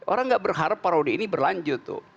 orang tidak berharap parodi ini berlanjut